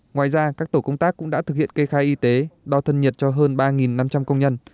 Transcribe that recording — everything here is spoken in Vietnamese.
ngoài ra các tổ công tác cũng đã thực hiện kê khai y tế đo thân nhiệt cho hơn ba năm trăm linh công nhân